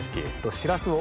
しらすを。